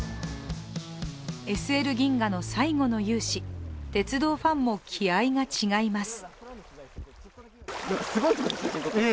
ＳＬ銀河の最後の雄姿、鉄道ファンも気合いが違います。